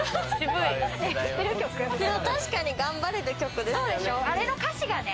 確かに頑張れる曲ですよね。